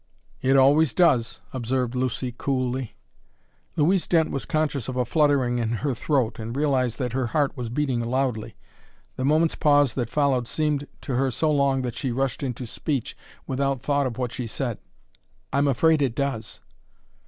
"It always does," observed Lucy coolly. Louise Dent was conscious of a fluttering in her throat and realized that her heart was beating loudly. The moment's pause that followed seemed to her so long that she rushed into speech, without thought of what she said: "I'm afraid it does."